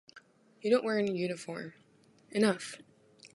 You don’t wear an uniform: enough!